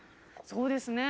そうですね。